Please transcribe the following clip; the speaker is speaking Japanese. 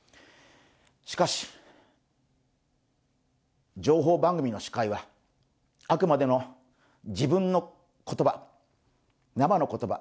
しかし、情報番組の司会はあくまでも自分の言葉、生の言葉、